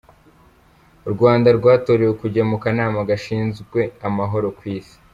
U Rwanda rwatorewe kujya mu Kanama Gashinzwe Amahoro ku isi